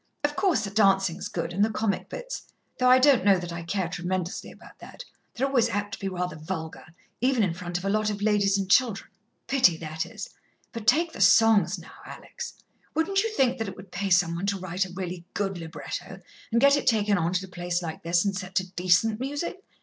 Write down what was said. "Of course, the dancing's good, and the comic bits, though I don't know that I care tremendously about that. They're always apt to be rather vulgar, even in front of a lot of ladies and children. Pity, that is. But take the songs, now, Alex; wouldn't you think that it would pay some one to write really good libretto, and get it taken on at a place like this and set to decent music?